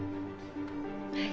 はい。